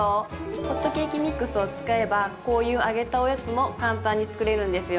ホットケーキミックスを使えばこういう揚げたおやつも簡単に作れるんですよ。